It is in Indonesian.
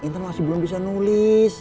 inter masih belum bisa nulis